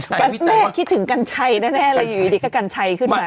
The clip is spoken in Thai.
แม่คิดถึงกัญชัยแน่เลยอยู่ดีก็กัญชัยขึ้นมา